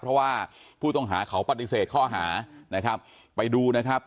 เพราะว่าผู้ต้องหาเขาปฏิเสธข้อหานะครับไปดูนะครับ